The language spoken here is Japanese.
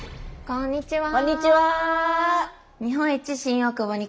こんにちは。